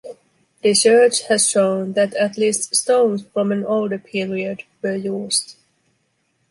Research has shown that at least stones from an older period were used.